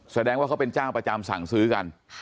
แสดงว่าเขาเป็นเจ้าประจำสั่งซื้อกัน